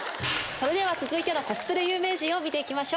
それでは続いてのコスプレ有名人見て行きましょう。